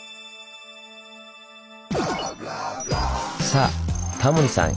さあタモリさん